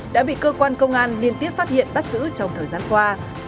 đã bị cơ quan công an liên tiếp phát hiện bắt giữ trong thời gian qua